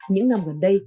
những năm gần đây